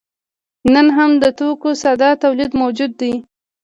نن هم د توکو ساده تولید موجود دی.